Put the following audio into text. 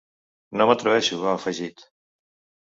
No m’atreveixo, ha afegit.